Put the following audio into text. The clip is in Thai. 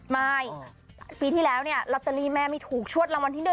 ไม่ปีที่แล้วเนี่ยลอตเตอรี่แม่ไม่ถูกชวดรางวัลที่๑